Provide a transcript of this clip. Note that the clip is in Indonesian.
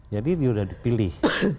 jadi dia sudah dipilih